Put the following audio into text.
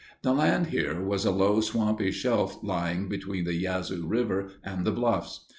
The land here was a low, swampy shelf lying between the Yazoo River and the bluffs.